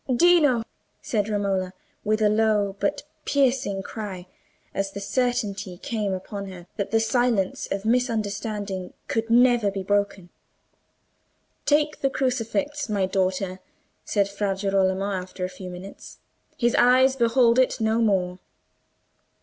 "Dino!" said Romola, with a low but piercing cry, as the certainty came upon her that the silence of misunderstanding could never be broken. "Take the crucifix, my daughter," said Fra Girolamo, after a few minutes. "His eyes behold it no more."